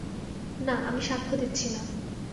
না, আমি সাক্ষ্য দিচ্ছি না।